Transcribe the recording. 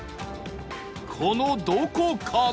このどこかで